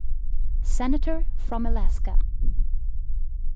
Senator from Alaska.